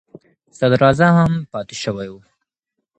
صدر اعظم هم پاتې شوی و.